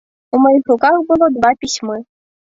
У маіх руках было два пісьмы.